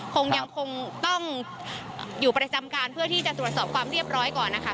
คงยังคงต้องอยู่ประจำการเพื่อที่จะตรวจสอบความเรียบร้อยก่อนนะคะ